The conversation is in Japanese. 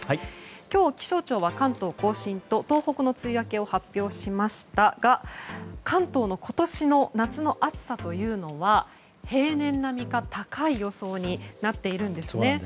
今日、気象庁は関東・甲信と東北の梅雨明けを発表しましたが関東の今年の夏の暑さというのは平年並みか高い予想になっているんですね。